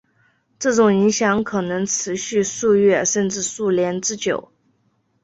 这种影响可能持续数月甚至数年之久。